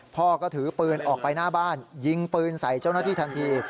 พ่อก็ถือปืนออกไปหน้าบ้านยิงปืนใส่เจ้าหน้าที่ทันที